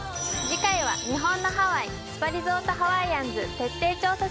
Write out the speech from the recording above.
次回は日本のハワイスパリゾートハワイアンズ徹底調査